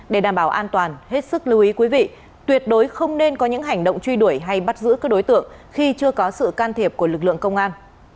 để đảm bảo an toàn hết sức lưu ý quý vị tuyệt đối không nên có những hành động truy đuổi hay bắt giữ các đối tượng khi chưa có sự can thiệp của lực lượng công an